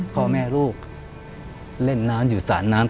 พ่อแม่ลูกเล่นน้ำอยู่สารน้ำ